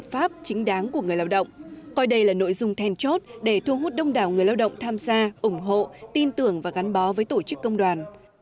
pháp chính đáng của người lao động coi đây là nội dung then chốt để thu hút đông đảo người lao động tham gia ủng hộ tin tưởng và gắn bó với tổ chức công đoàn